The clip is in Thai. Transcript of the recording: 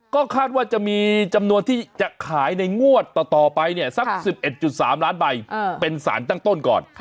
ก็คาดว่าจะมีจำนวนที่จะขายในงวดต่อไปเนี่ยสัก๑๑๓ล้านใบเป็นสารตั้งต้นก่อน